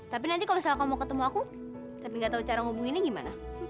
tapi nanti kalau misalnya kamu mau ketemu aku tapi gak tau cara hubunginnya gimana